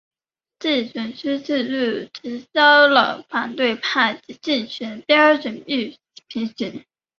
集选区制度提高了反对派之竞选标准予以批评。